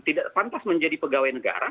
tidak pantas menjadi pegawai negara